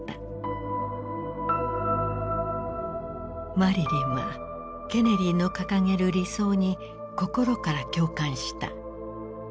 マリリンはケネディの掲げる理想に心から共感した。